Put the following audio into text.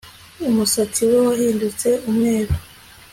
Umusatsi we wahindutse umweru